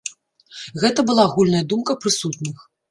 Гэта была агульная думка прысутных.